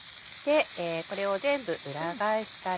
これを全部裏返したら。